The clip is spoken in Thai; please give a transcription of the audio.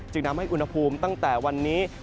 ทำให้อุณหภูมิตั้งแต่วันนี้